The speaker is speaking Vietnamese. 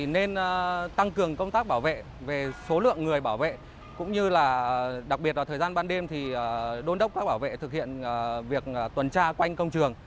nên tăng cường công tác bảo vệ về số lượng người bảo vệ cũng như là đặc biệt vào thời gian ban đêm thì đôn đốc các bảo vệ thực hiện việc tuần tra quanh công trường